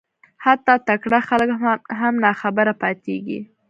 حتی تکړه خلک هم ناخبره پاتېږي